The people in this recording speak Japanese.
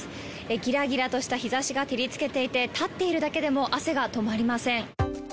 ぎらぎらとした日ざしが照りつけていて、立っているだけでも汗が止まりません。